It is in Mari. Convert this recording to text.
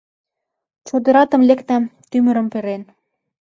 Чодыратым лекна, тӱмырым перен